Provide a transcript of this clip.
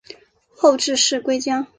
后致仕归家。